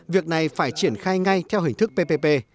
việc này phải triển khai ngay theo hình thức ppp